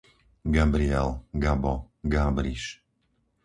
Gabriel, Gabo, Gábriš